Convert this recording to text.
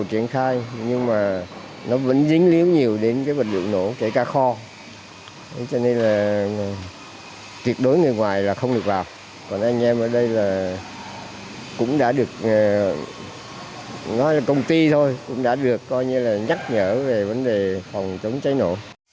cho nên là tiệt đối người ngoài là không được bảo còn anh em ở đây là cũng đã được nói là công ty thôi cũng đã được coi như là nhắc nhở về vấn đề phòng chống cháy nổ